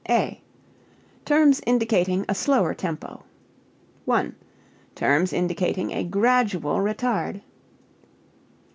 (a) Terms indicating a slower tempo. 1. Terms indicating a gradual retard.